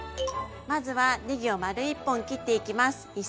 まずはねぎを丸１本切っていきます。